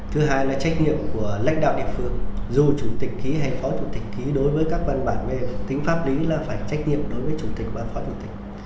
thứ hai là trách nhiệm của lãnh đạo địa phương dù chủ tịch ký hay phó chủ tịch ký đối với các văn bản về tính pháp lý là phải trách nhiệm đối với chủ tịch và phó chủ tịch